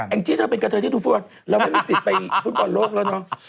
แอ้งจิ๊ดเราเป็นกับเธอที่ดูสวดเราไม่มีสิทธิ์ไปฟุตกรณ์โลกแล้วเนาะ